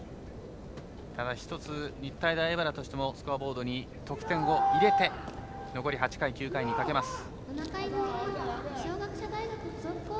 一つ、日体大荏原としてもスコアボードに得点を入れて残り８回、９回にかけます。